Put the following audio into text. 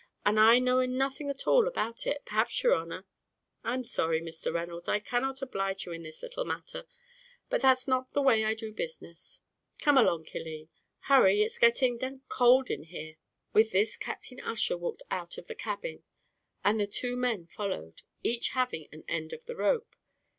and I knowing nothing at all at all about it, perhaps yer honer " "I'm sorry, Mr. Reynolds, I cannot oblige you in this little matter, but that's not the way I do business. Come along, Killeen; hurry, it's getting d d cold here by the water." With this Captain Ussher walked out of the cabin, and the two men followed, each having an end of the rope.